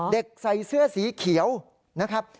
เด็กใส่เสื้อสีเขียวนะครับ